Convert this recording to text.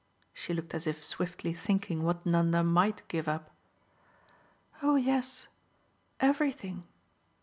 She looked as if swiftly thinking what Nanda MIGHT give up. "Oh yes, everything."